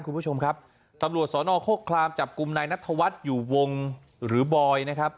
คุณผู้ชมครับตำรวจสอนอโฆคลามจับกลุ่มนายนัทวัฒน์อยู่วงหรือบอยนะครับ